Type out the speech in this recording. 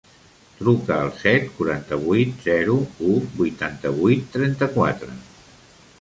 Truca al set, quaranta-vuit, zero, u, vuitanta-vuit, trenta-quatre.